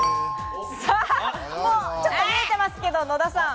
ちょっと見えてますけれども、野田さん。